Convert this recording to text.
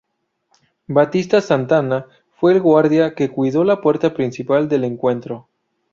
Batista Santana fue el guardia que cuidó la puerta principal del encuentro.